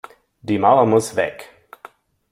Die Mauer muss weg!